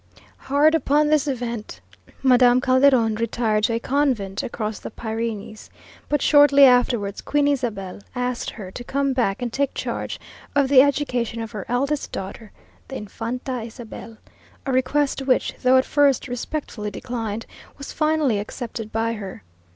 Hard upon this event Madame Calderon retired to a convent across the Pyrenees, but shortly afterwards Queen Isabel asked her to come back and take charge of the education of her eldest daughter, the Infanta Isabel, a request which, though at first respectfully declined, was finally accepted by her.